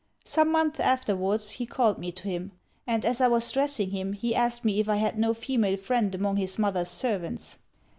Some months afterwards he called me to him; and as I was dressing him he asked me if I had no female friend among his mother's servants.